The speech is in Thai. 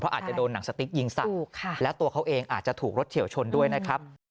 อาจจะโดนหนังสติ๊กยิงใส่แล้วตัวเขาเองอาจจะถูกรถเฉียวชนด้วยนะครับ